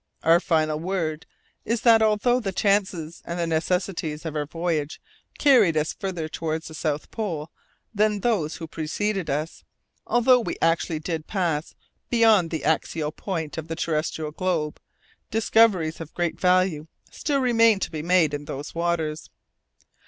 Our final word is that although the chances and the necessities of our voyage carried us farther towards the south pole than those who preceded us, although we actually did pass beyond the axial point of the terrestrial globe, discoveries of great value still remain to be made in those waters!